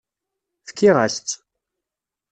Fkiɣ-as-tt.